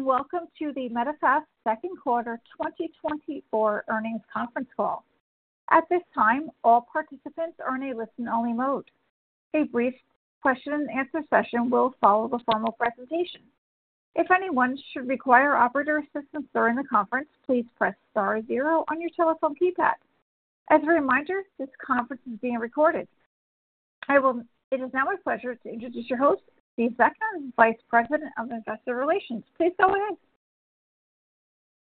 Welcome to the Medifast Second Quarter 2024 earnings conference call. At this time, all participants are in a listen-only mode. A brief question-and-answer session will follow the formal presentation. If anyone should require operator assistance during the conference, please press star zero on your telephone keypad. As a reminder, this conference is being recorded. It is now my pleasure to introduce your host, Steven Zenker, Vice President of Investor Relations. Please go ahead.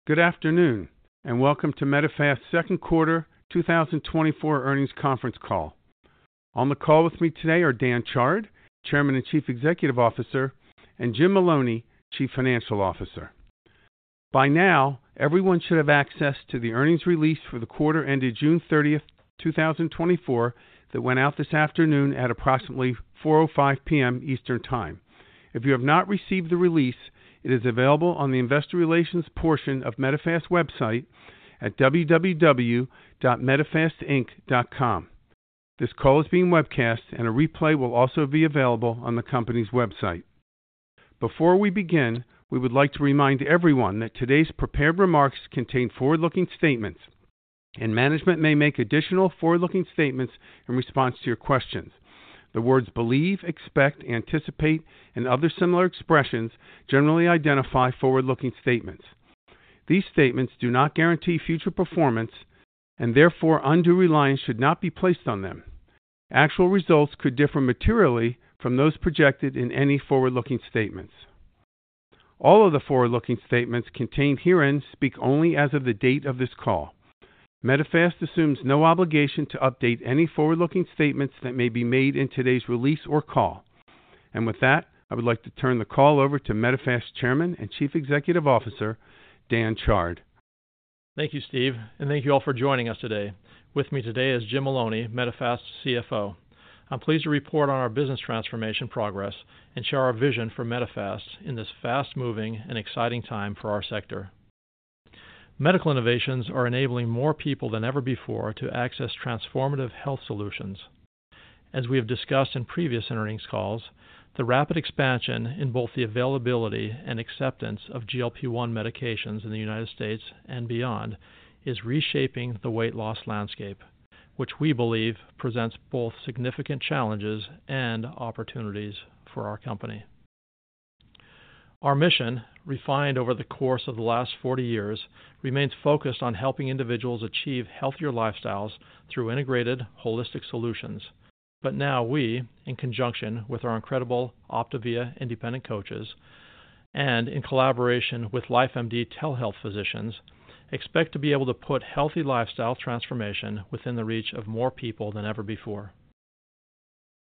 Good afternoon, and welcome to Medifast Second Quarter 2024 earnings conference call. On the call with me today are Dan Chard, Chairman and Chief Executive Officer, and Jim Maloney, Chief Financial Officer. By now, everyone should have access to the earnings release for the quarter ended June 30th, 2024, that went out this afternoon at approximately 4:05 P.M. Eastern Time. If you have not received the release, it is available on the Investor Relations portion of Medifast website at www.medifastinc.com. This call is being webcast, and a replay will also be available on the company's website. Before we begin, we would like to remind everyone that today's prepared remarks contain forward-looking statements, and management may make additional forward-looking statements in response to your questions. The words believe, expect, anticipate, and other similar expressions generally identify forward-looking statements. These statements do not guarantee future performance, and therefore undue reliance should not be placed on them. Actual results could differ materially from those projected in any forward-looking statements. All of the forward-looking statements contained herein speak only as of the date of this call. Medifast assumes no obligation to update any forward-looking statements that may be made in today's release or call. With that, I would like to turn the call over to Medifast Chairman and Chief Executive Officer, Dan Chard. Thank you, Steve, and thank you all for joining us today. With me today is Jim Maloney, Medifast CFO. I'm pleased to report on our business transformation progress and share our vision for Medifast in this fast-moving and exciting time for our sector. Medical innovations are enabling more people than ever before to access transformative health solutions. As we have discussed in previous earnings calls, the rapid expansion in both the availability and acceptance of GLP-1 medications in the United States and beyond is reshaping the weight loss landscape, which we believe presents both significant challenges and opportunities for our company. Our mission, refined over the course of the last 40 years, remains focused on helping individuals achieve healthier lifestyles through integrated, holistic solutions. But now we, in conjunction with our incredible OPTAVIA independent coaches and in collaboration with LifeMD telehealth physicians, expect to be able to put healthy lifestyle transformation within the reach of more people than ever before.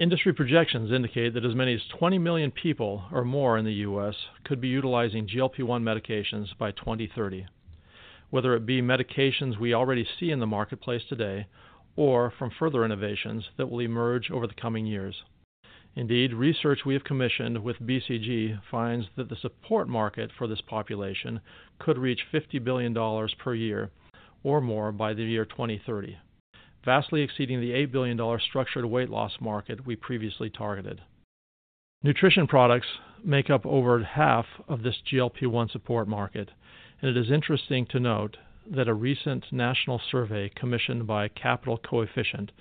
Industry projections indicate that as many as 20 million people or more in the U.S. could be utilizing GLP-1 medications by 2030, whether it be medications we already see in the marketplace today or from further innovations that will emerge over the coming years. Indeed, research we have commissioned with BCG finds that the support market for this population could reach $50 billion per year or more by the year 2030, vastly exceeding the $8 billion structured weight loss market we previously targeted. Nutrition products make up over half of this GLP-1 support market, and it is interesting to note that a recent national survey commissioned by Coefficient Capital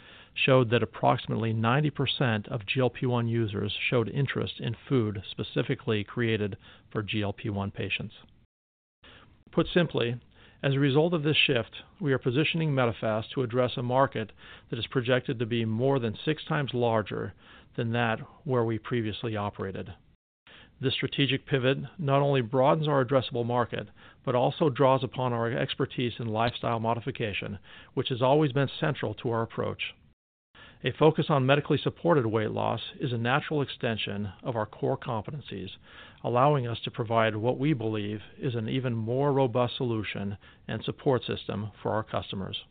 showed that approximately 90% of GLP-1 users showed interest in food specifically created for GLP-1 patients. Put simply, as a result of this shift, we are positioning Medifast to address a market that is projected to be more than six times larger than that where we previously operated. This strategic pivot not only broadens our addressable market but also draws upon our expertise in lifestyle modification, which has always been central to our approach. A focus on medically supported weight loss is a natural extension of our core competencies, allowing us to provide what we believe is an even more robust solution and support system for our customers.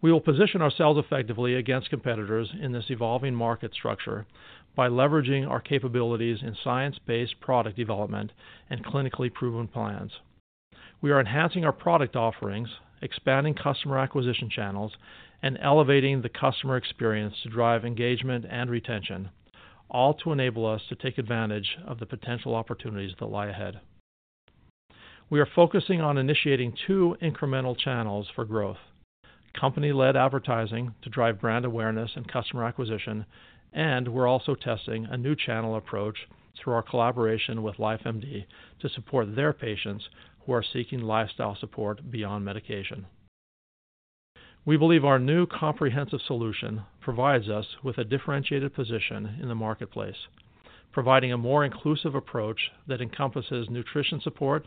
We will position ourselves effectively against competitors in this evolving market structure by leveraging our capabilities in science-based product development and clinically proven plans. We are enhancing our product offerings, expanding customer acquisition channels, and elevating the customer experience to drive engagement and retention, all to enable us to take advantage of the potential opportunities that lie ahead. We are focusing on initiating two incremental channels for growth: company-led advertising to drive brand awareness and customer acquisition, and we're also testing a new channel approach through our collaboration with LifeMD to support their patients who are seeking lifestyle support beyond medication. We believe our new comprehensive solution provides us with a differentiated position in the marketplace, providing a more inclusive approach that encompasses nutrition support,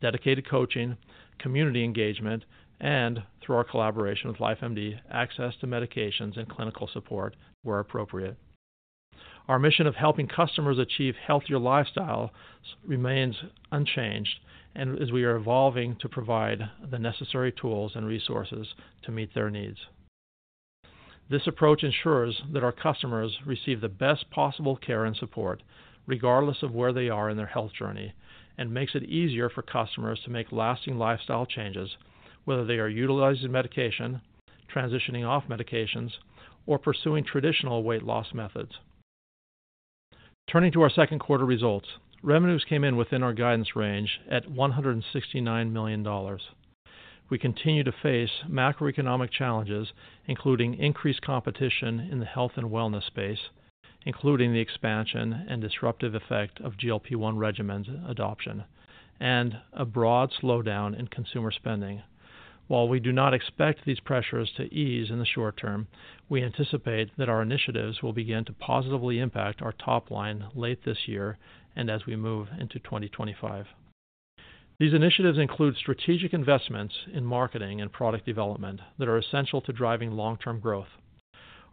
dedicated coaching, community engagement, and, through our collaboration with LifeMD, access to medications and clinical support where appropriate. Our mission of helping customers achieve healthier lifestyles remains unchanged, and we are evolving to provide the necessary tools and resources to meet their needs. This approach ensures that our customers receive the best possible care and support, regardless of where they are in their health journey, and makes it easier for customers to make lasting lifestyle changes, whether they are utilizing medication, transitioning off medications, or pursuing traditional weight loss methods. Turning to our second quarter results, revenues came in within our guidance range at $169 million. We continue to face macroeconomic challenges, including increased competition in the health and wellness space, including the expansion and disruptive effect of GLP-1 regimens adoption, and a broad slowdown in consumer spending. While we do not expect these pressures to ease in the short term, we anticipate that our initiatives will begin to positively impact our top line late this year and as we move into 2025. These initiatives include strategic investments in marketing and product development that are essential to driving long-term growth.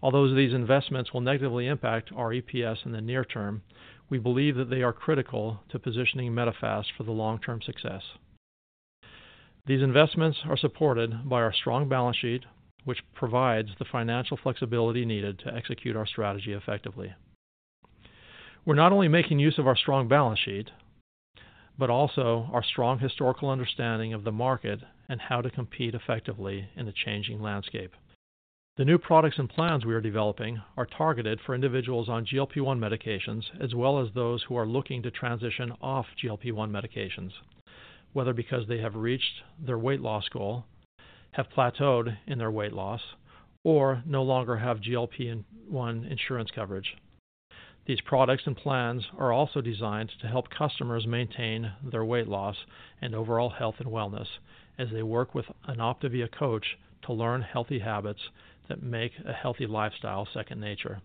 Although these investments will negatively impact our EPS in the near term, we believe that they are critical to positioning Medifast for the long-term success. These investments are supported by our strong balance sheet, which provides the financial flexibility needed to execute our strategy effectively. We're not only making use of our strong balance sheet, but also our strong historical understanding of the market and how to compete effectively in the changing landscape. The new products and plans we are developing are targeted for individuals on GLP-1 medications as well as those who are looking to transition off GLP-1 medications, whether because they have reached their weight loss goal, have plateaued in their weight loss, or no longer have GLP-1 insurance coverage. These products and plans are also designed to help customers maintain their weight loss and overall health and wellness as they work with an OPTAVIA coach to learn healthy habits that make a healthy lifestyle second nature.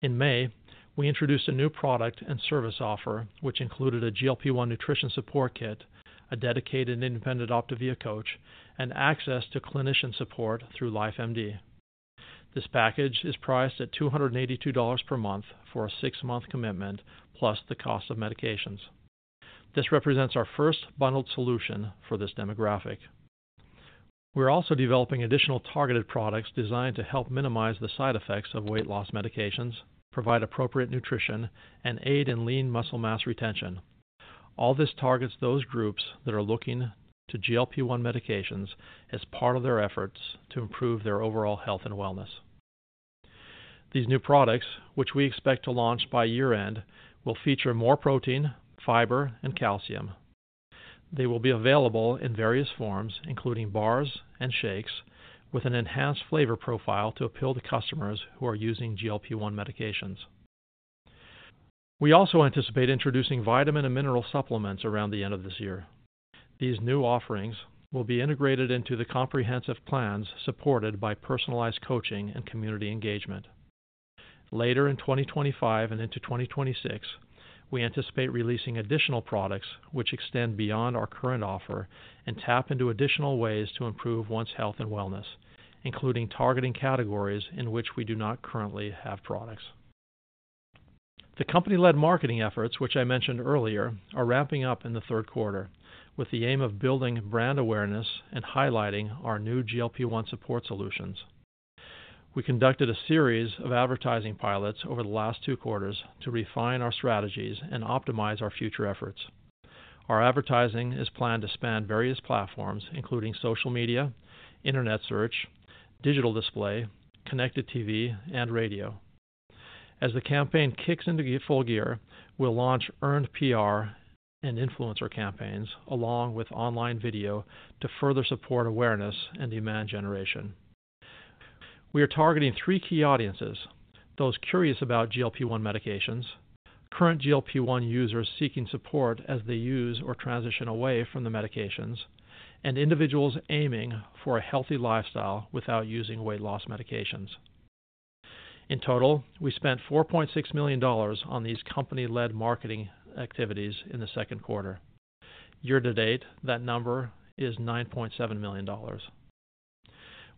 In May, we introduced a new product and service offer, which included a GLP-1 Nutrition Support Kit, a dedicated independent OPTAVIA coach, and access to clinician support through LifeMD. This package is priced at $282 per month for a six-month commitment plus the cost of medications. This represents our first bundled solution for this demographic. We're also developing additional targeted products designed to help minimize the side effects of weight loss medications, provide appropriate nutrition, and aid in lean muscle mass retention. All this targets those groups that are looking to GLP-1 medications as part of their efforts to improve their overall health and wellness. These new products, which we expect to launch by year-end, will feature more protein, fiber, and calcium. They will be available in various forms, including bars and shakes, with an enhanced flavor profile to appeal to customers who are using GLP-1 medications. We also anticipate introducing vitamin and mineral supplements around the end of this year. These new offerings will be integrated into the comprehensive plans supported by personalized coaching and community engagement. Later in 2025 and into 2026, we anticipate releasing additional products which extend beyond our current offer and tap into additional ways to improve one's health and wellness, including targeting categories in which we do not currently have products. The company-led marketing efforts, which I mentioned earlier, are wrapping up in the third quarter with the aim of building brand awareness and highlighting our new GLP-1 support solutions. We conducted a series of advertising pilots over the last 2 quarters to refine our strategies and optimize our future efforts. Our advertising is planned to span various platforms, including social media, internet search, digital display, connected TV, and radio. As the campaign kicks into full gear, we'll launch earned PR and influencer campaigns along with online video to further support awareness and demand generation. We are targeting three key audiences: those curious about GLP-1 medications, current GLP-1 users seeking support as they use or transition away from the medications, and individuals aiming for a healthy lifestyle without using weight loss medications. In total, we spent $4.6 million on these company-led marketing activities in the second quarter. Year-to-date, that number is $9.7 million.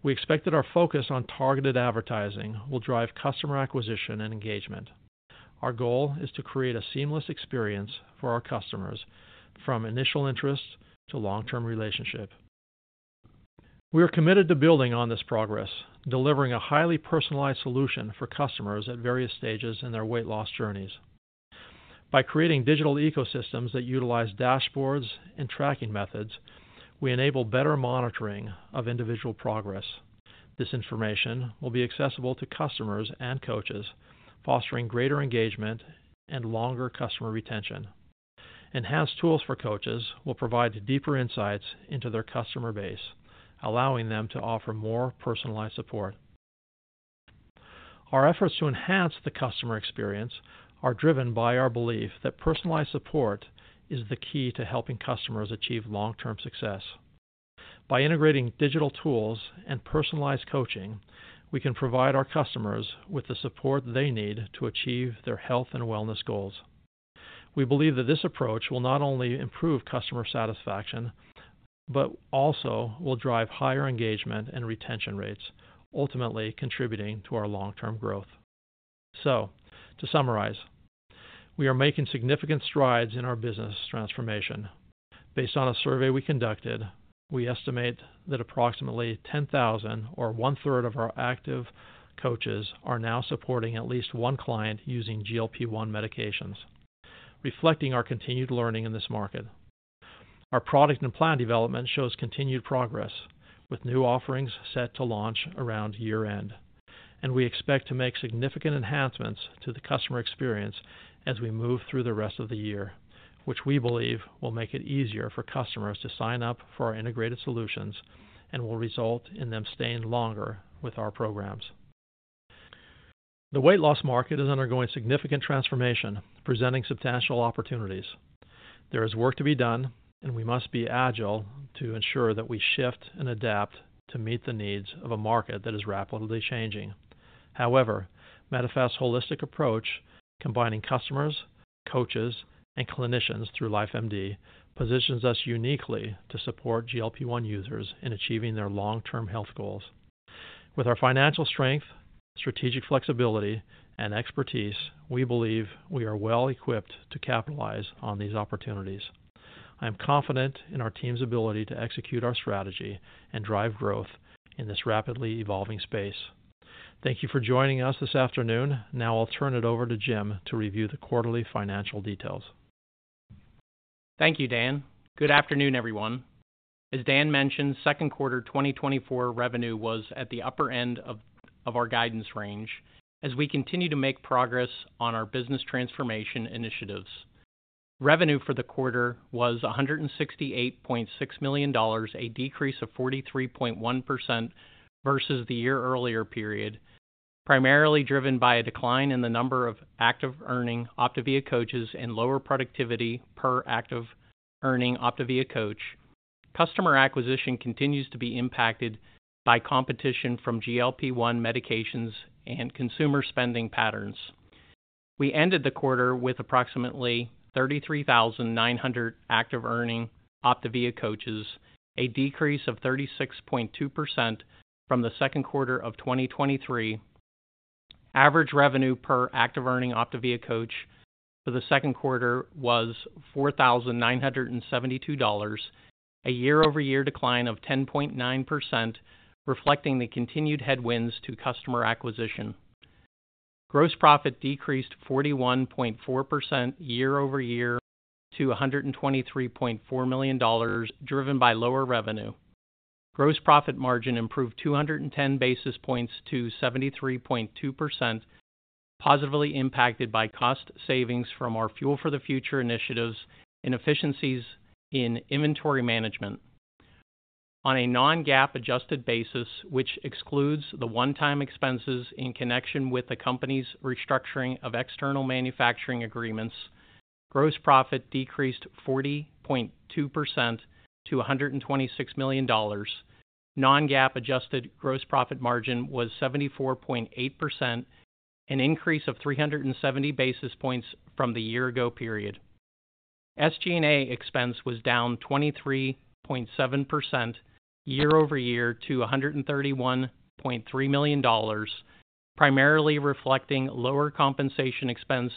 We expect that our focus on targeted advertising will drive customer acquisition and engagement. Our goal is to create a seamless experience for our customers from initial interest to long-term relationship. We are committed to building on this progress, delivering a highly personalized solution for customers at various stages in their weight loss journeys. By creating digital ecosystems that utilize dashboards and tracking methods, we enable better monitoring of individual progress. This information will be accessible to customers and coaches, fostering greater engagement and longer customer retention. Enhanced tools for coaches will provide deeper insights into their customer base, allowing them to offer more personalized support. Our efforts to enhance the customer experience are driven by our belief that personalized support is the key to helping customers achieve long-term success. By integrating digital tools and personalized coaching, we can provide our customers with the support they need to achieve their health and wellness goals. We believe that this approach will not only improve customer satisfaction but also will drive higher engagement and retention rates, ultimately contributing to our long-term growth. So, to summarize, we are making significant strides in our business transformation. Based on a survey we conducted, we estimate that approximately 10,000 or one-third of our active coaches are now supporting at least one client using GLP-1 medications, reflecting our continued learning in this market. Our product and plan development shows continued progress, with new offerings set to launch around year-end, and we expect to make significant enhancements to the customer experience as we move through the rest of the year, which we believe will make it easier for customers to sign up for our integrated solutions and will result in them staying longer with our programs. The weight loss market is undergoing significant transformation, presenting substantial opportunities. There is work to be done, and we must be agile to ensure that we shift and adapt to meet the needs of a market that is rapidly changing. However, Medifast's holistic approach, combining customers, coaches, and clinicians through LifeMD, positions us uniquely to support GLP-1 users in achieving their long-term health goals. With our financial strength, strategic flexibility, and expertise, we believe we are well-equipped to capitalize on these opportunities. I am confident in our team's ability to execute our strategy and drive growth in this rapidly evolving space. Thank you for joining us this afternoon. Now I'll turn it over to Jim to review the quarterly financial details. Thank you, Dan. Good afternoon, everyone. As Dan mentioned, second quarter 2024 revenue was at the upper end of our guidance range as we continue to make progress on our business transformation initiatives. Revenue for the quarter was $168.6 million, a decrease of 43.1% versus the year earlier period, primarily driven by a decline in the number of active earning OPTAVIA coaches and lower productivity per active earning OPTAVIA coach. Customer acquisition continues to be impacted by competition from GLP-1 medications and consumer spending patterns. We ended the quarter with approximately 33,900 active earning OPTAVIA coaches, a decrease of 36.2% from the second quarter of 2023. Average revenue per active earning OPTAVIA coach for the second quarter was $4,972, a year-over-year decline of 10.9%, reflecting the continued headwinds to customer acquisition. Gross profit decreased 41.4% year-over-year to $123.4 million, driven by lower revenue. Gross profit margin improved 210 basis points to 73.2%, positively impacted by cost savings from our Fuel for the Future initiatives and efficiencies in inventory management. On a Non-GAAP adjusted basis, which excludes the one-time expenses in connection with the company's restructuring of external manufacturing agreements, gross profit decreased 40.2% to $126 million. Non-GAAP adjusted gross profit margin was 74.8%, an increase of 370 basis points from the year-ago period. SG&A expense was down 23.7% year-over-year to $131.3 million, primarily reflecting lower compensation expense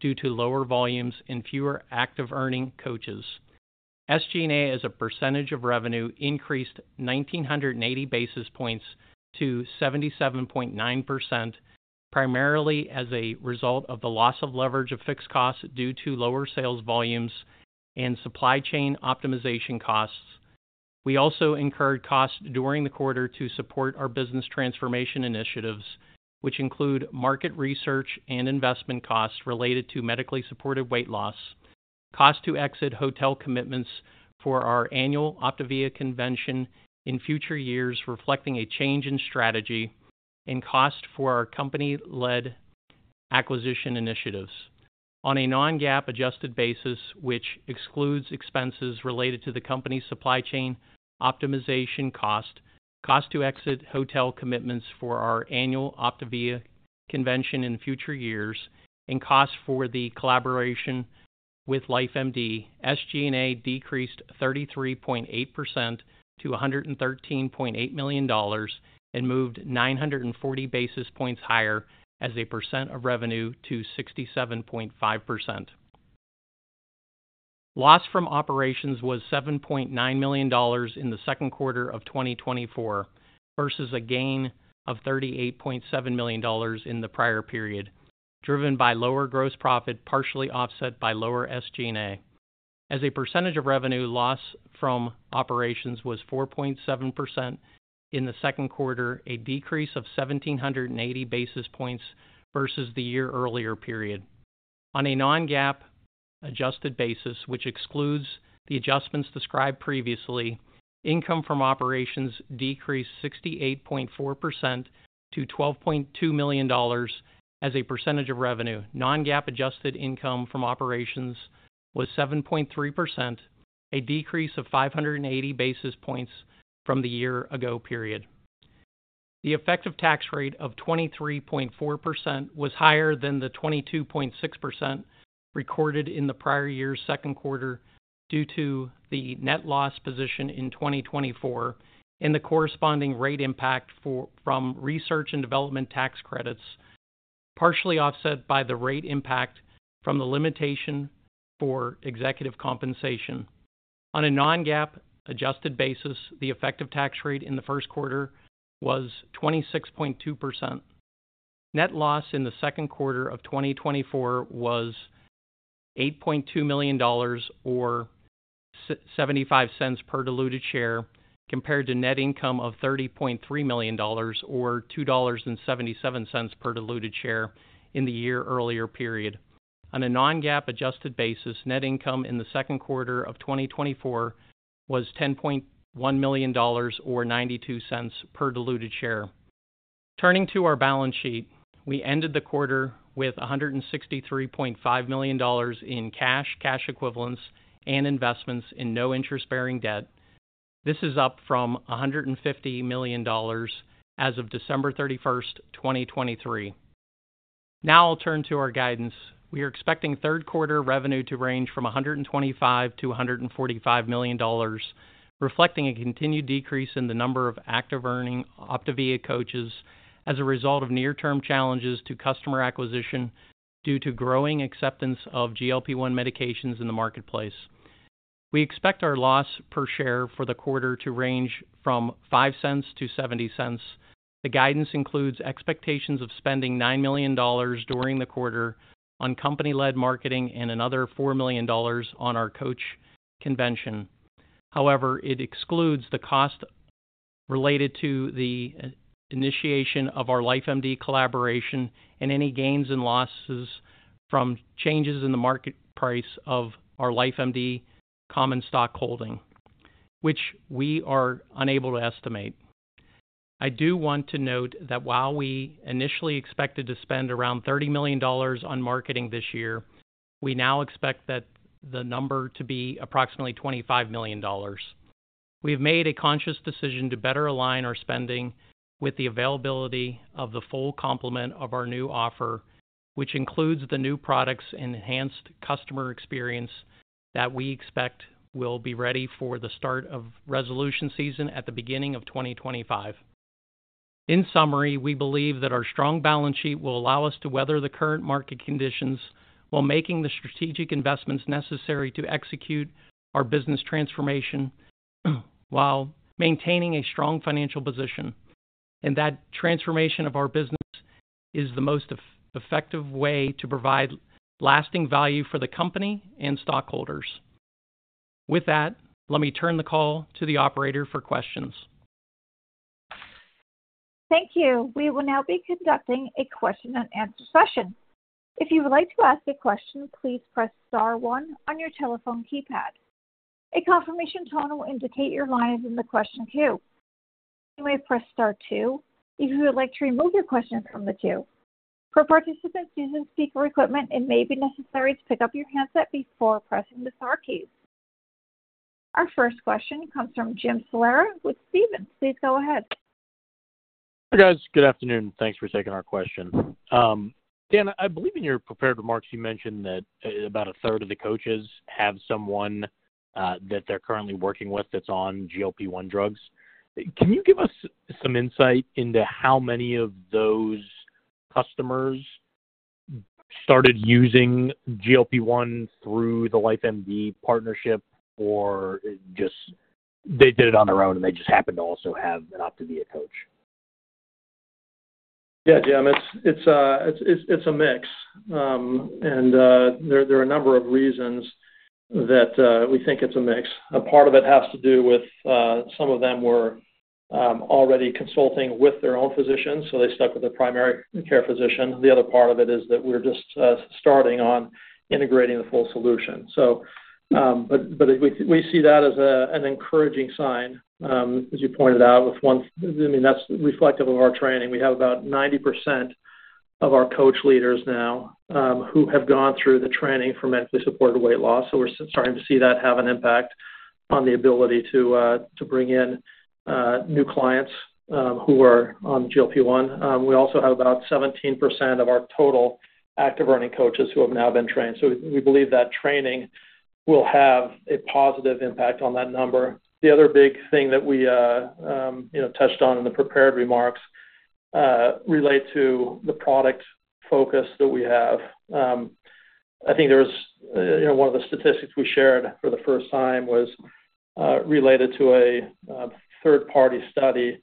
due to lower volumes and fewer active earning coaches. SG&A as a percentage of revenue increased 1,980 basis points to 77.9%, primarily as a result of the loss of leverage of fixed costs due to lower sales volumes and supply chain optimization costs. We also incurred costs during the quarter to support our business transformation initiatives, which include market research and investment costs related to medically supported weight loss, cost to exit hotel commitments for our annual OPTAVIA convention in future years, reflecting a change in strategy, and cost for our company-led acquisition initiatives. On a non-GAAP adjusted basis, which excludes expenses related to the company's supply chain optimization cost, cost to exit hotel commitments for our annual OPTAVIA convention in future years, and cost for the collaboration with LifeMD, SG&A decreased 33.8% to $113.8 million and moved 940 basis points higher as a percent of revenue to 67.5%. Loss from operations was $7.9 million in the second quarter of 2024 versus a gain of $38.7 million in the prior period, driven by lower gross profit partially offset by lower SG&A. As a percentage of revenue, loss from operations was 4.7% in the second quarter, a decrease of 1,780 basis points versus the year-earlier period. On a non-GAAP adjusted basis, which excludes the adjustments described previously, income from operations decreased 68.4% to $12.2 million as a percentage of revenue. Non-GAAP adjusted income from operations was 7.3%, a decrease of 580 basis points from the year-ago period. The effective tax rate of 23.4% was higher than the 22.6% recorded in the prior year's second quarter due to the net loss position in 2024 and the corresponding rate impact from research and development tax credits, partially offset by the rate impact from the limitation for executive compensation. On a non-GAAP adjusted basis, the effective tax rate in the first quarter was 26.2%. Net loss in the second quarter of 2024 was $8.2 million or $0.75 per diluted share, compared to net income of $30.3 million or $2.77 per diluted share in the year-earlier period. On a non-GAAP adjusted basis, net income in the second quarter of 2024 was $10.1 million or $0.92 per diluted share. Turning to our balance sheet, we ended the quarter with $163.5 million in cash, cash equivalents, and investments in no-interest-bearing debt. This is up from $150 million as of December 31, 2023. Now I'll turn to our guidance. We are expecting third quarter revenue to range from $125 million-$145 million, reflecting a continued decrease in the number of active earning OPTAVIA coaches as a result of near-term challenges to customer acquisition due to growing acceptance of GLP-1 medications in the marketplace. We expect our loss per share for the quarter to range from $0.05-$0.70. The guidance includes expectations of spending $9 million during the quarter on company-led marketing and another $4 million on our coach convention. However, it excludes the cost related to the initiation of our LifeMD collaboration and any gains and losses from changes in the market price of our LifeMD common stock holding, which we are unable to estimate. I do want to note that while we initially expected to spend around $30 million on marketing this year, we now expect that the number to be approximately $25 million. We have made a conscious decision to better align our spending with the availability of the full complement of our new offer, which includes the new products and enhanced customer experience that we expect will be ready for the start of resolution season at the beginning of 2025. In summary, we believe that our strong balance sheet will allow us to weather the current market conditions while making the strategic investments necessary to execute our business transformation while maintaining a strong financial position, and that transformation of our business is the most effective way to provide lasting value for the company and stockholders. With that, let me turn the call to the operator for questions. Thank you. We will now be conducting a question-and-answer session. If you would like to ask a question, please press star one on your telephone keypad. A confirmation tone will indicate your line is in the question queue. You may press star two if you would like to remove your question from the queue. For participants using speaker equipment, it may be necessary to pick up your handset before pressing the Star keys. Our first question comes from Jim Salera with Stephens Inc. Please go ahead. Hi guys. Good afternoon. Thanks for taking our question. Dan, I believe in your prepared remarks, you mentioned that about a third of the coaches have someone that they're currently working with that's on GLP-1 drugs. Can you give us some insight into how many of those customers started using GLP-1 through the LifeMD partnership, or just they did it on their own and they just happened to also have an OPTAVIA coach? Yeah, Jim, it's a mix. There are a number of reasons that we think it's a mix. A part of it has to do with some of them were already consulting with their own physicians, so they stuck with their primary care physician. The other part of it is that we're just starting on integrating the full solution. We see that as an encouraging sign, as you pointed out, with one, I mean, that's reflective of our training. We have about 90% of our coach leaders now who have gone through the training for medically supported weight loss. We're starting to see that have an impact on the ability to bring in new clients who are on GLP-1. We also have about 17% of our total active earning coaches who have now been trained. So we believe that training will have a positive impact on that number. The other big thing that we touched on in the prepared remarks relates to the product focus that we have. I think there was one of the statistics we shared for the first time was related to a third-party study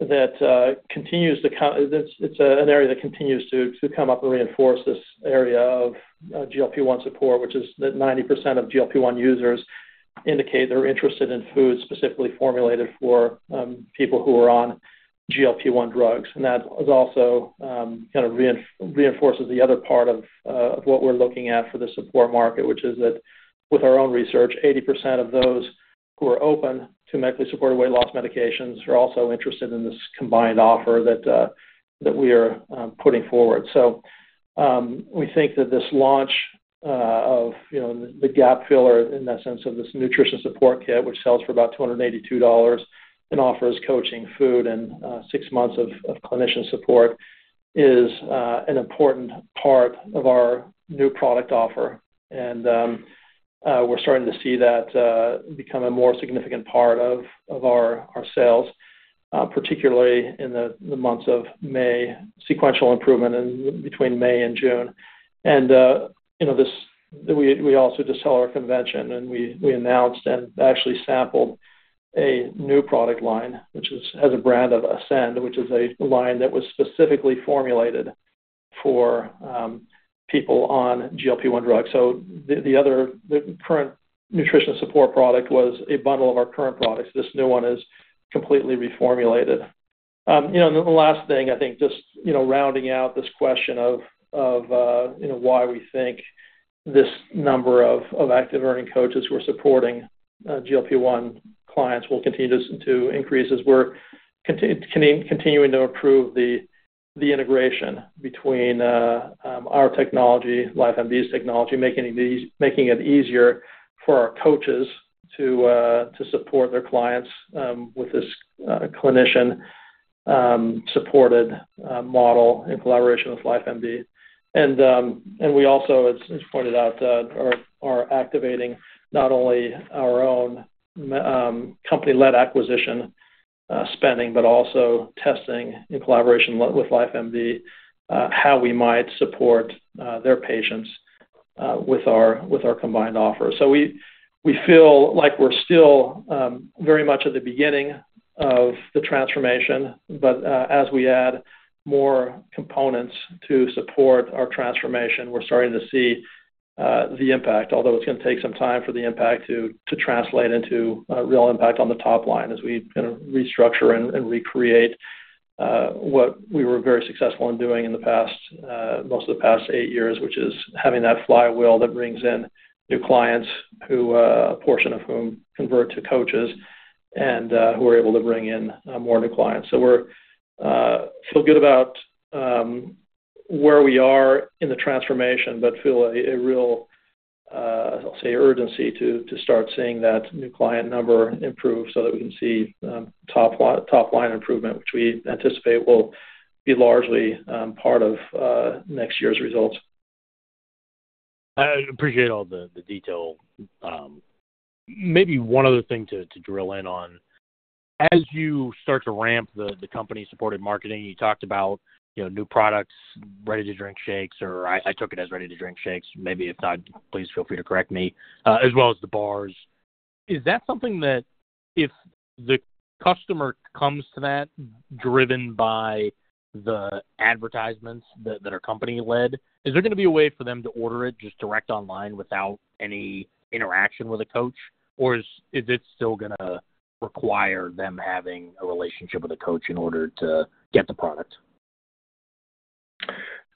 that continues to, it's an area that continues to come up and reinforce this area of GLP-1 support, which is that 90% of GLP-1 users indicate they're interested in foods specifically formulated for people who are on GLP-1 drugs. That also kind of reinforces the other part of what we're looking at for the support market, which is that with our own research, 80% of those who are open to medically supported weight loss medications are also interested in this combined offer that we are putting forward. So we think that this launch of the GLP-1, in that sense of this nutrition support kit, which sells for about $282 and offers coaching, food, and six months of clinician support, is an important part of our new product offer. And we're starting to see that become a more significant part of our sales, particularly in the months of May, sequential improvement between May and June. And we also just held our convention, and we announced and actually sampled a new product line, which has a brand of Ascend, which is a line that was specifically formulated for people on GLP-1 drugs. So the current nutrition support product was a bundle of our current products. This new one is completely reformulated. Then the last thing, I think, just rounding out this question of why we think this number of active earning coaches who are supporting GLP-1 clients will continue to increase as we're continuing to improve the integration between our technology, LifeMD's technology, making it easier for our coaches to support their clients with this clinician-supported model in collaboration with LifeMD. And we also, as pointed out, are activating not only our own company-led acquisition spending, but also testing in collaboration with LifeMD how we might support their patients with our combined offer. So we feel like we're still very much at the beginning of the transformation, but as we add more components to support our transformation, we're starting to see the impact, although it's going to take some time for the impact to translate into a real impact on the top line as we kind of restructure and recreate what we were very successful in doing in the past, most of the past eight years, which is having that flywheel that brings in new clients, a portion of whom convert to coaches and who are able to bring in more new clients. So we feel good about where we are in the transformation, but feel a real, I'll say, urgency to start seeing that new client number improve so that we can see top-line improvement, which we anticipate will be largely part of next year's results. I appreciate all the detail. Maybe one other thing to drill in on. As you start to ramp the company-supported marketing, you talked about new products, ready-to-drink shakes, or I took it as ready-to-drink shakes. Maybe if not, please feel free to correct me, as well as the bars. Is that something that if the customer comes to that driven by the advertisements that are company-led, is there going to be a way for them to order it just direct online without any interaction with a coach? Or is it still going to require them having a relationship with a coach in order to get the product?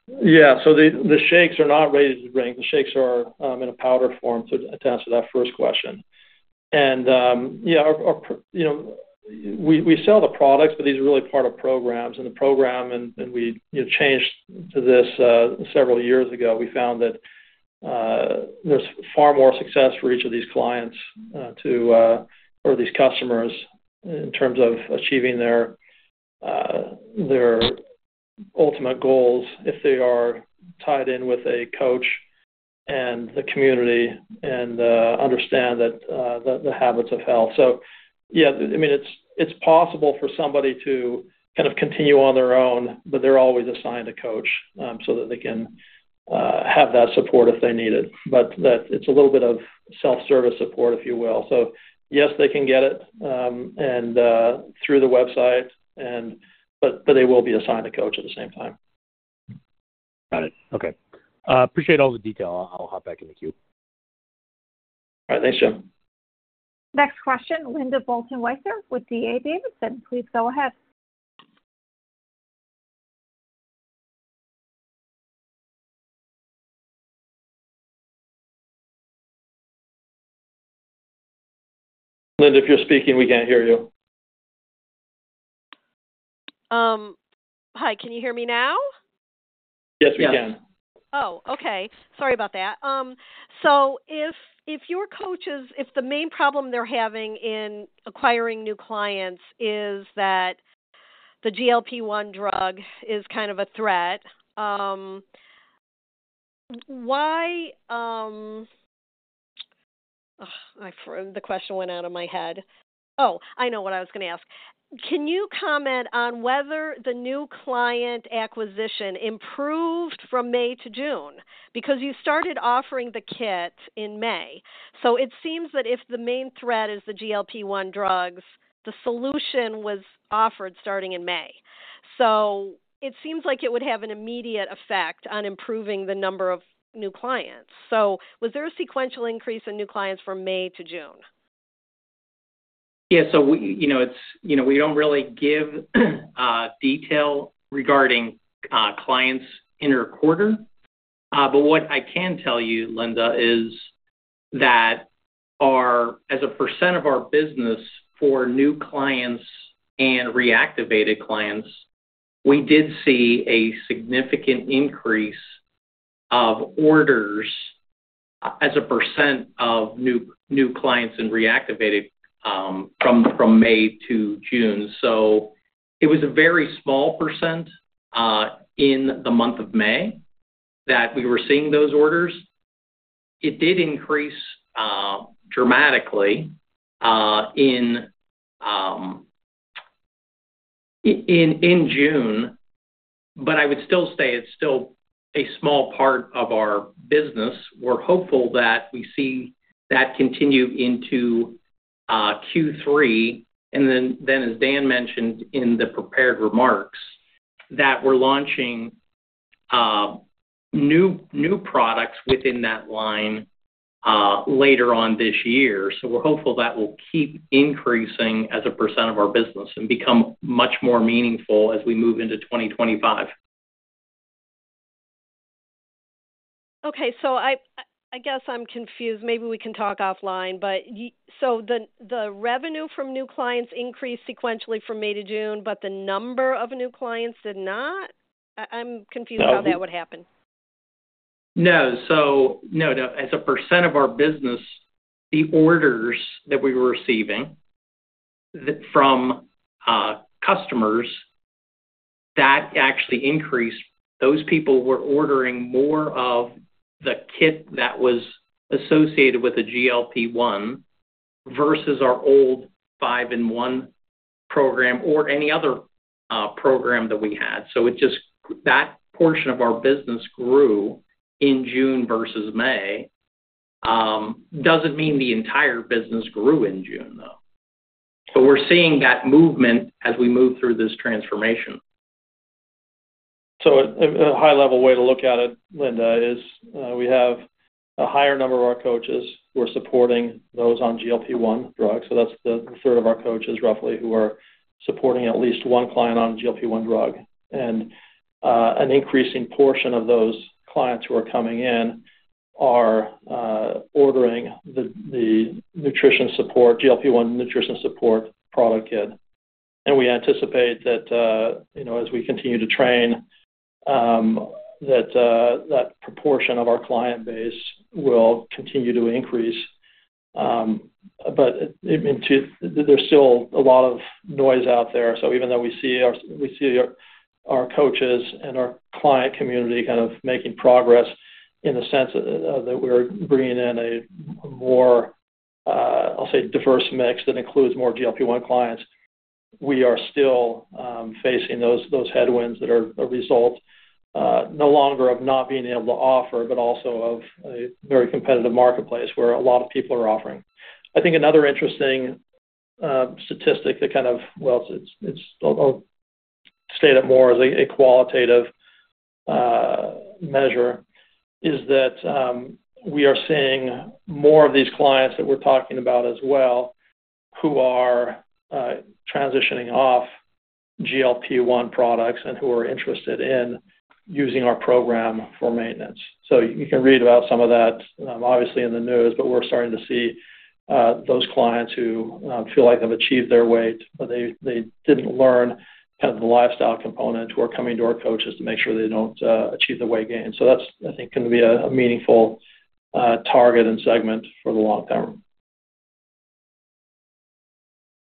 Yeah. So the shakes are not ready-to-drink. The shakes are in a powder form to answer that first question. Yeah, we sell the products, but these are really part of programs. The program, and we changed to this several years ago, we found that there's far more success for each of these clients or these customers in terms of achieving their ultimate goals if they are tied in with a coach and the community and understand the Habits of Health. Yeah, I mean, it's possible for somebody to kind of continue on their own, but they're always assigned a coach so that they can have that support if they need it. It's a little bit of self-service support, if you will. Yes, they can get it through the website, but they will be assigned a coach at the same time. Got it. Okay. Appreciate all the detail. I'll hop back in the queue. All right. Thanks, Jim. Next question, Linda Bolton Weiser with D.A. Davidson. Please go ahead. Linda, if you're speaking, we can't hear you. Hi. Can you hear me now? Yes, we can. Oh, okay. Sorry about that. So if your coaches, if the main problem they're having in acquiring new clients is that the GLP-1 drug is kind of a threat, why? The question went out of my head. Oh, I know what I was going to ask. Can you comment on whether the new client acquisition improved from May to June? Because you started offering the kit in May. So it seems that if the main threat is the GLP-1 drugs, the solution was offered starting in May. So it seems like it would have an immediate effect on improving the number of new clients. Was there a sequential increase in new clients from May to June? Yeah. We don't really give detail regarding clients in the quarter. But what I can tell you, Linda, is that as a percent of our business for new clients and reactivated clients, we did see a significant increase of orders as a percent of new clients and reactivated from May to June. It was a very small percent in the month of May that we were seeing those orders. It did increase dramatically in June, but I would still say it's still a small part of our business. We're hopeful that we see that continue into Q3. Then, as Dan mentioned in the prepared remarks, that we're launching new products within that line later on this year. We're hopeful that will keep increasing as a percent of our business and become much more meaningful as we move into 2025. Okay. I guess I'm confused. Maybe we can talk offline. The revenue from new clients increased sequentially from May to June, but the number of new clients did not? I'm confused how that would happen. No. So no, no. As a percent of our business, the orders that we were receiving from customers, that actually increased. Those people were ordering more of the kit that was associated with the GLP-1 versus our old 5 & 1 program or any other program that we had. So that portion of our business grew in June versus May. Doesn't mean the entire business grew in June, though. So we're seeing that movement as we move through this transformation. So a high-level way to look at it, Linda, is we have a higher number of our coaches. We're supporting those on GLP-1 drugs. So that's the third of our coaches, roughly, who are supporting at least one client on GLP-1 drug. An increasing portion of those clients who are coming in are ordering the GLP-1 nutrition support product kit. We anticipate that as we continue to train, that proportion of our client base will continue to increase. But there's still a lot of noise out there. So even though we see our coaches and our client community kind of making progress in the sense that we're bringing in a more, I'll say, diverse mix that includes more GLP-1 clients, we are still facing those headwinds that are a result no longer of not being able to offer, but also of a very competitive marketplace where a lot of people are offering. I think another interesting statistic that kind of, well, I'll state it more as a qualitative measure, is that we are seeing more of these clients that we're talking about as well who are transitioning off GLP-1 products and who are interested in using our program for maintenance. You can read about some of that, obviously, in the news, but we're starting to see those clients who feel like they've achieved their weight, but they didn't learn kind of the lifestyle component who are coming to our coaches to make sure they don't achieve the weight gain. That's, I think, going to be a meaningful target and segment for the long term.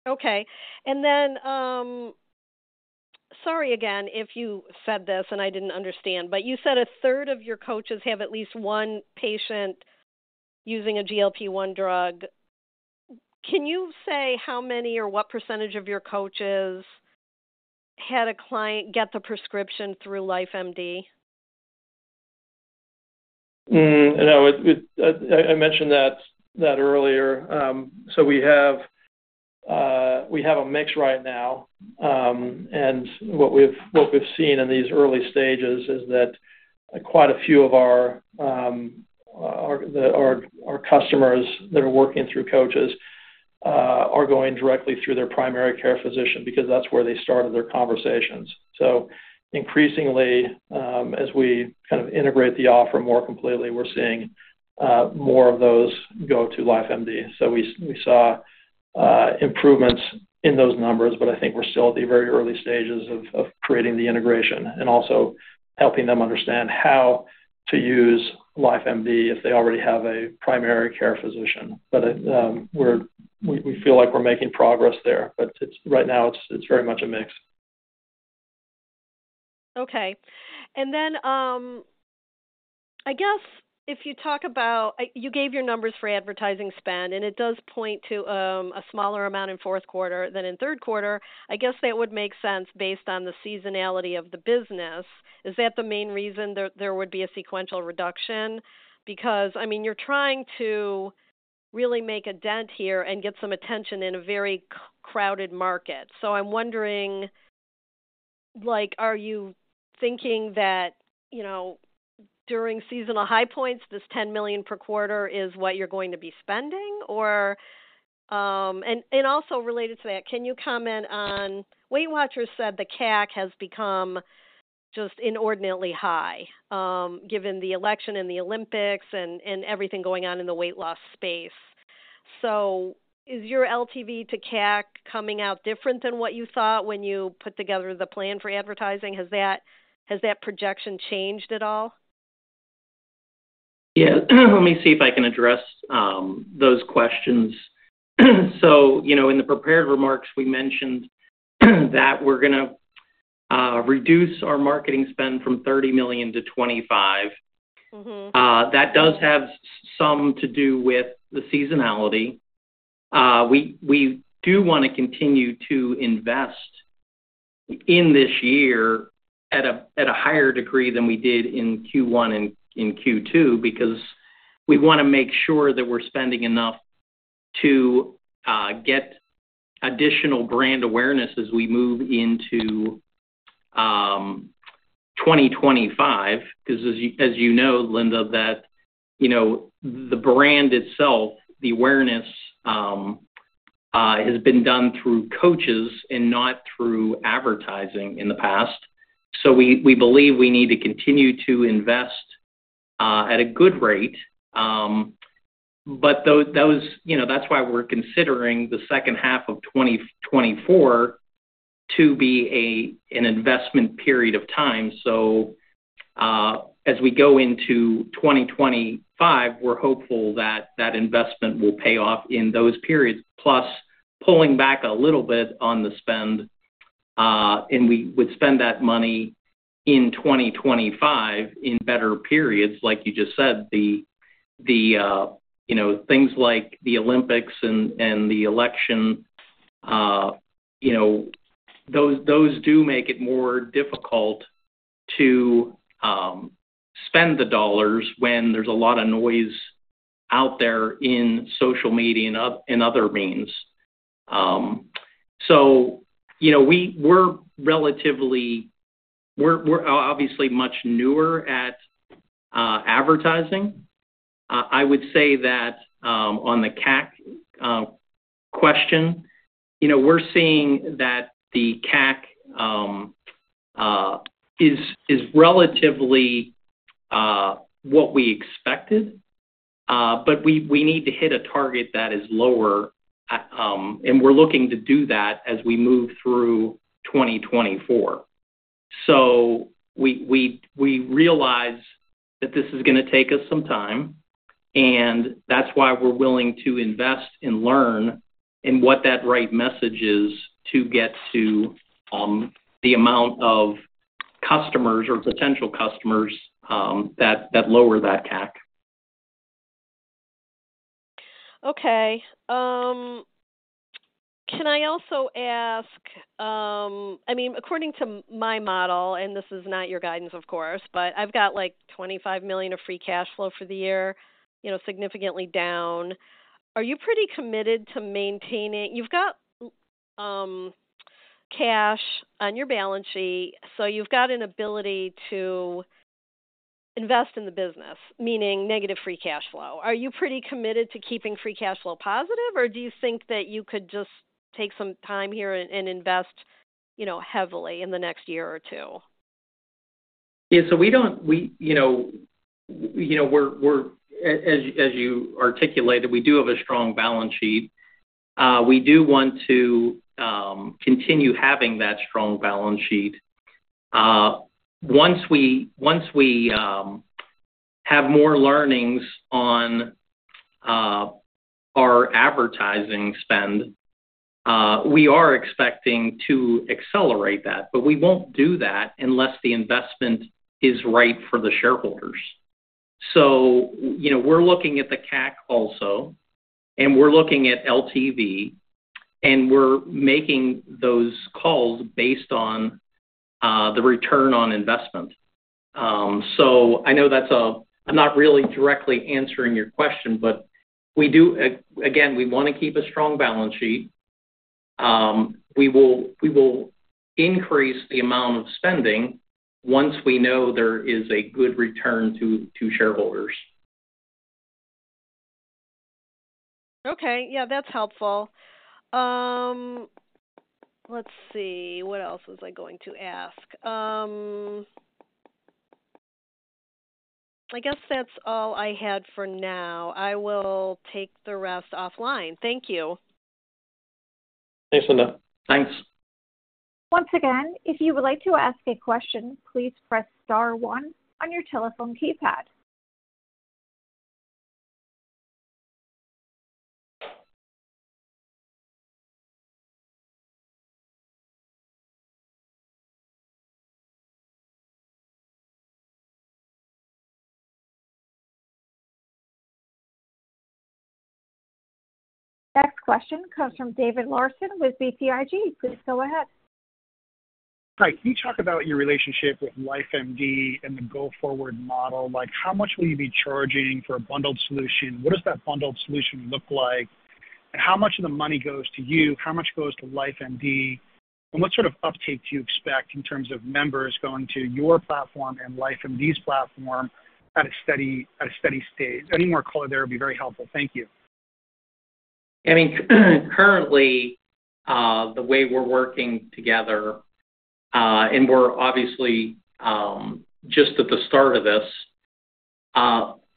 Okay, and then sorry again if you said this and I didn't understand, but you said a third of your coaches have at least one patient using a GLP-1 drug. Can you say how many or what percentage of your coaches had a client get the prescription through LifeMD? No. I mentioned that earlier. We have a mix right now. What we've seen in these early stages is that quite a few of our customers that are working through coaches are going directly through their primary care physician because that's where they started their conversations. Increasingly, as we kind of integrate the offer more completely, we're seeing more of those go to LifeMD. We saw improvements in those numbers, but I think we're still at the very early stages of creating the integration and also helping them understand how to use LifeMD if they already have a primary care physician. We feel like we're making progress there. But right now, it's very much a mix. Okay. Then I guess, if you talk about you gave your numbers for advertising spend, and it does point to a smaller amount in fourth quarter than in third quarter. I guess that would make sense based on the seasonality of the business. Is that the main reason there would be a sequential reduction? I mean, you're trying to really make a dent here and get some attention in a very crowded market. So I'm wondering, are you thinking that during seasonal high points, this $10 million per quarter is what you're going to be spending? Also related to that, can you comment on Weight Watchers said the CAC has become just inordinately high given the election and the Olympics and everything going on in the weight loss space. Is your LTV to CAC coming out different than what you thought when you put together the plan for advertising? Has that projection changed at all? Yeah. Let me see if I can address those questions. In the prepared remarks, we mentioned that we're going to reduce our marketing spend from $30 million to $25 million. That does have some to do with the seasonality. We do want to continue to invest in this year at a higher degree than we did in Q1 and Q2 because we want to make sure that we're spending enough to get additional brand awareness as we move into 2025. As you know, Linda, that the brand itself, the awareness has been done through coaches and not through advertising in the past. We believe we need to continue to invest at a good rate. That's why we're considering the second half of 2024 to be an investment period of time. As we go into 2025, we're hopeful that that investment will pay off in those periods, plus pulling back a little bit on the spend. We would spend that money in 2025 in better periods, like you just said. The things like the Olympics and the election, those do make it more difficult to spend the dollars when there's a lot of noise out there in social media and other means. We're obviously much newer at advertising. I would say that on the CAC question, we're seeing that the CAC is relatively what we expected, but we need to hit a target that is lower. We're looking to do that as we move through 2024. So we realize that this is going to take us some time. That's why we're willing to invest and learn in what that right message is to get to the amount of customers or potential customers that lower that CAC. Okay. Can I also ask? I mean, according to my model, and this is not your guidance, of course, but I've got like $25 million of free cash flow for the year, significantly down. Are you pretty committed to maintaining? You've got cash on your balance sheet. You've got an ability to invest in the business, meaning negative free cash flow. Are you pretty committed to keeping free cash flow positive? Or do you think that you could just take some time here and invest heavily in the next year or two? Yeah. We don't, as you articulated, we do have a strong balance sheet. We do want to continue having that strong balance sheet. Once we have more learnings on our advertising spend, we are expecting to accelerate that. We won't do that unless the investment is right for the shareholders. We're looking at the CAC also, and we're looking at the LTV, and we're making those calls based on the return on investment. I know that's a, I'm not really directly answering your question, but again, we want to keep a strong balance sheet. We will increase the amount of spending once we know there is a good return to shareholders. Okay. Yeah. That's helpful. Let's see. What else was I going to ask? I guess that's all I had for now. I will take the rest offline. Thank you. Thanks, Linda. Thanks. Once again, if you would like to ask a question, please press star one on your telephone keypad. Next question comes from David Larsen with BTIG. Please go ahead. Hi. Can you talk about your relationship with LifeMD and the go-forward model? How much will you be charging for a bundled solution? What does that bundled solution look like? How much of the money goes to you? How much goes to LifeMD? What sort of uptake do you expect in terms of members going to your platform and LifeMD's platform at a steady state? Any more color there would be very helpful. Thank you. I mean, currently, the way we're working together, and we're obviously just at the start of this,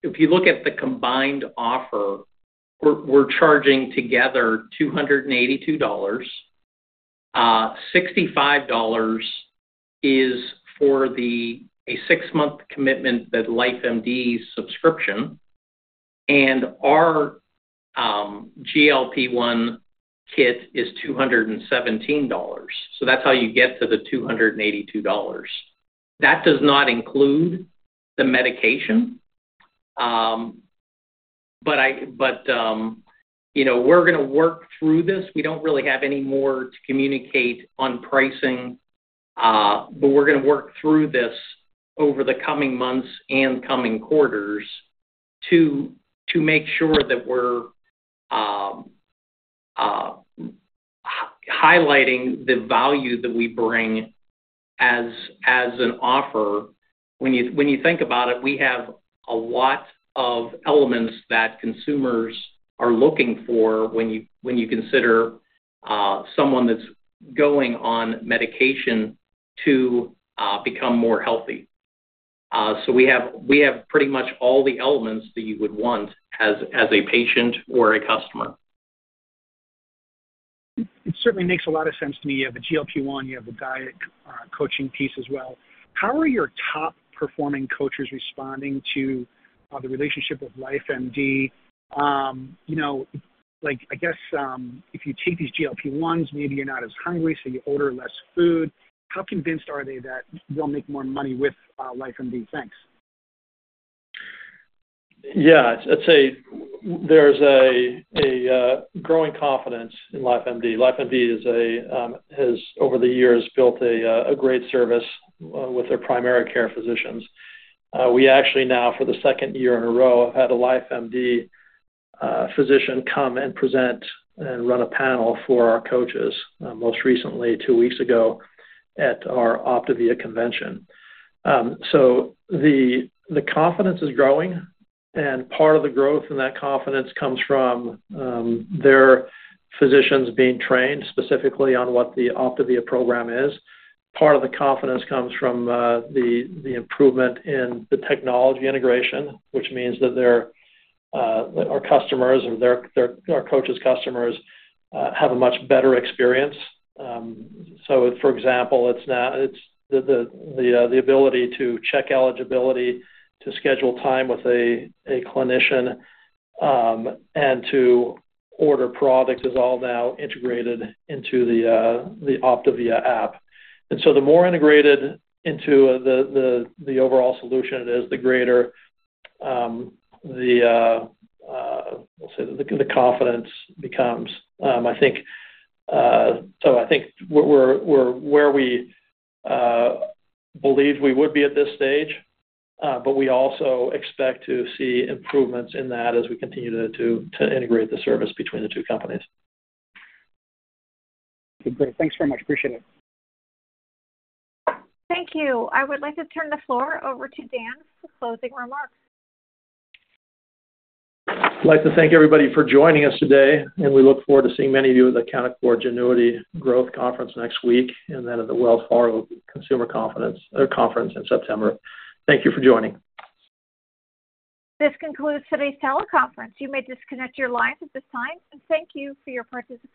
if you look at the combined offer, we're charging together $282. $65 is for the six-month commitment that LifeMD subscription, and our GLP-1 kit is $217. That's how you get to the $282. That does not include the medication. We're going to work through this. We don't really have any more to communicate on pricing, but we're going to work through this over the coming months and coming quarters to make sure that we're highlighting the value that we bring as an offer. When you think about it, we have a lot of elements that consumers are looking for when you consider someone that's going on medication to become more healthy. We have pretty much all the elements that you would want as a patient or a customer. It certainly makes a lot of sense to me. You have a GLP-1. You have the diet coaching piece as well. How are your top performing coaches responding to the relationship with LifeMD? I guess if you take these GLP-1s, maybe you're not as hungry, so you order less food. How convinced are they that they'll make more money with LifeMD? Thanks. Yeah. I'd say there's a growing confidence in LifeMD. LifeMD has, over the years, built a great service with their primary care physicians. We actually now, for the second year in a row, have had a LifeMD physician come and present and run a panel for our coaches, most recently two weeks ago at our OPTAVIA convention. The confidence is growing, and part of the growth in that confidence comes from their physicians being trained specifically on what the OPTAVIA program is. Part of the confidence comes from the improvement in the technology integration, which means that our coaches' customers have a much better experience. So, for example, the ability to check eligibility, to schedule time with a clinician, and to order products is all now integrated into the OPTAVIA app. The more integrated into the overall solution it is, the greater the, we'll say, the confidence becomes. I think, so I think we're where we believe we would be at this stage, but we also expect to see improvements in that as we continue to integrate the service between the two companies. Okay. Great. Thanks very much. Appreciate it. Thank you. I would like to turn the floor over to Dan for closing remarks. I'd like to thank everybody for joining us today, and we look forward to seeing many of you at the Canaccord Genuity Growth Conference next week and then at the Wells Fargo Consumer Conference in September. Thank you for joining. This concludes today's teleconference. You may disconnect your lines at this time. Thank you for your participation.